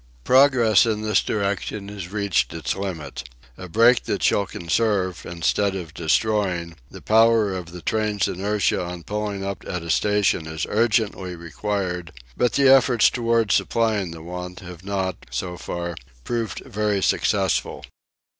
Progress in this direction has reached its limit. A brake that shall conserve, instead of destroying, the power of the train's inertia on pulling up at a station is urgently required; but the efforts towards supplying the want have not, so far, proved very successful.